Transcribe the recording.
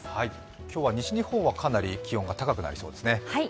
今日は西日本はかなり気温が高くなりそうですね。